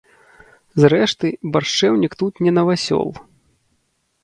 Зрэшты, баршчэўнік тут не навасёл.